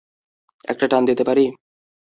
একটা টান দিতে পারি?